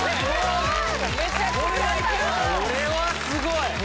すごい！